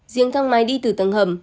riêng thang máy đi từ tầng hầm